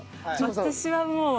私はもう。